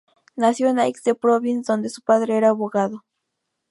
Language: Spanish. Nació en Aix en Provence donde su padre era abogado.